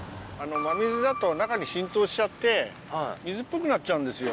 真水だと中に浸透しちゃって水っぽくなっちゃうんですよ。